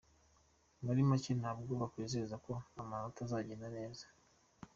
Muri make ntabwo yakwizeza ko amatora azagenda neza.